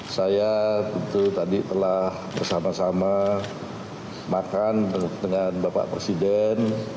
saya tentu tadi telah bersama sama makan dengan bapak presiden